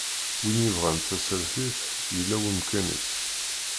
Win yebɣan tasertit, yella wemkan-is.